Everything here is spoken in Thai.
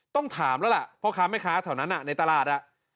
ต้องถามละแหละพ่อค้าเข้าเกิดเหตุนั้นในตลาด